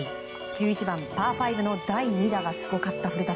１１番パー５の第２打がすごかった。